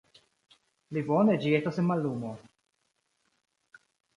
Pli bone ĝi estas en mallumo.